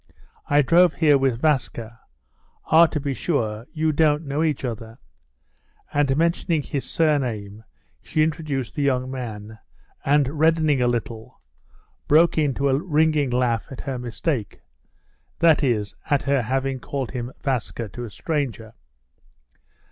"I drove here with Vaska.... Ah, to be sure, you don't know each other." And mentioning his surname she introduced the young man, and reddening a little, broke into a ringing laugh at her mistake—that is, at her having called him Vaska to a stranger.